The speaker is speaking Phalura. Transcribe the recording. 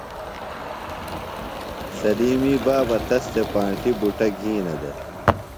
سلِیمی بابہ تس تھےۡ پانٹیۡ بُٹہ گِھینہ دےۡ۔